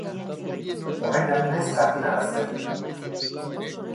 Orain ari naiz jakinarazten.